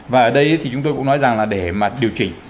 và ở đây thì chúng tôi cũng nói rằng là để mà điều chỉnh